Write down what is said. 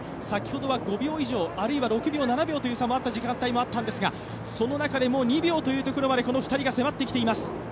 先ほどは５秒以上、あるいは７秒とあった時間帯もあったんですが、その中でも２秒というところまでこの２人が迫ってきています。